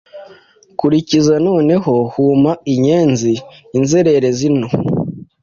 Kurikiza noneho hum inyenzi; Inzererezi nto